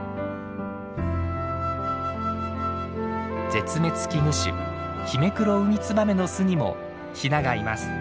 絶滅危惧種ヒメクロウミツバメの巣にもヒナがいます。